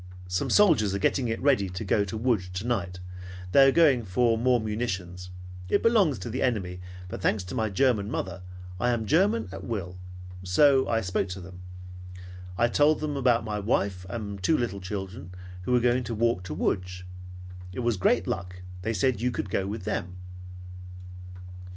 Some soldiers are getting it ready to go to Lodz tonight. They are going for more munitions. It belongs to the enemy, but thanks to my German mother, I am German at will; so I spoke to them. I told them about my wife and two little children who were going to walk to Lodz. It was great luck. They said you could go with them.